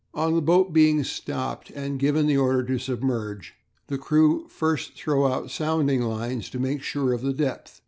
On the boat being stopped and the order given to submerge, the crew first throw out sounding lines to make sure of the depth.